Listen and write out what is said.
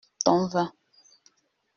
Ton vin.